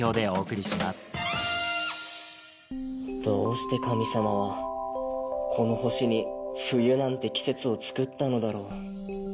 どうして神様はこの星に冬なんて季節をつくったのだろう。